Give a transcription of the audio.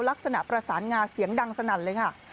ลักษณะประสานงาเสียงดังสนั่นเลยค่ะ